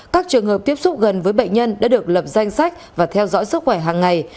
các trường hợp tiếp xúc gần với bệnh nhân đã được lập danh sách và theo dõi sức khỏe hàng ngày